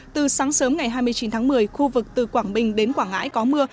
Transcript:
từ sáng sớm ngày hai mươi chín tháng một mươi khu vực từ quảng bình đến quảng ngãi có mưa